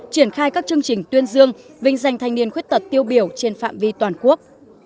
triển khai các chương trình tuyên dương vinh danh thanh niên khuyết tật tiêu biểu trên phạm vi toàn quốc